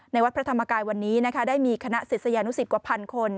วัดพระธรรมกายวันนี้นะคะได้มีคณะศิษยานุสิตกว่าพันคน